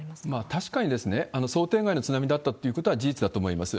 確かに想定外の津波だったということは事実だと思います。